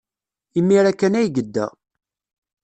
Imir-a kan ay yedda.